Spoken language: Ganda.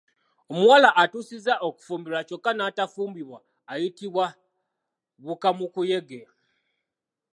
Omuwala atuusizza okufumbirwa kyokka n’atafumbirwa ayitibwa bbuukamukuyege.